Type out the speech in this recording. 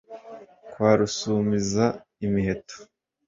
Kwa Rusumiza imiheto